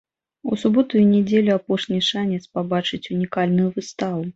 У суботу і нядзелю апошні шанец пабачыць унікальную выставу.